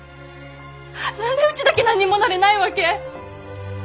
何でうちだけ何にもなれないわけ？